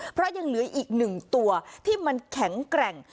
เพราะยังเหลืออีกหนึ่งตัวที่มันแข็งแกร่ง